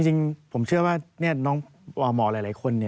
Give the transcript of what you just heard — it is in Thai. จริงผมเชื่อว่าน้องหมอหลายคน